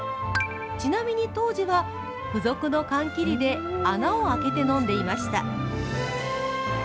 ちなみに当時は、付属の缶切りで穴を開けて飲んでいました。